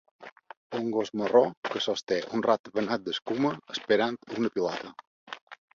Un gos marró que sosté un ratpenat d'escuma esperant una pilota.